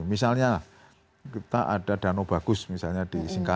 misalnya kita ada dano bagus misalnya di singkarak